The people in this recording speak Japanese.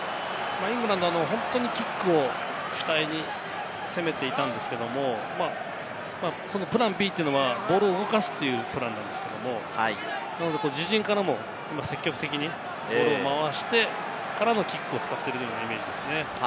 イングランド、キックを主体に攻めていたんですけれども、プランＢというのは、ボールを動かすというプランなんですけれども、自陣からも今、積極的にボールを回してからのキックを使っているイメージですね。